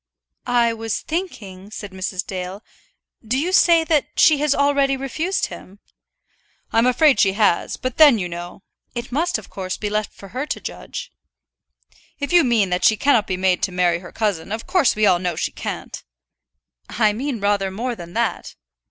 "I was thinking," said Mrs. Dale. "Do you say that she has already refused him?" "I am afraid she has; but then you know " "It must of course be left for her to judge." "If you mean that she cannot be made to marry her cousin, of course we all know she can't." "I mean rather more than that."